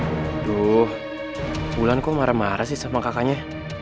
waduh bulan kok marah marah sih sama kakaknya